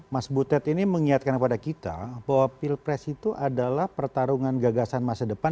mas butet ini mengingatkan kepada kita bahwa pilpres itu adalah pertarungan gagasan masa depan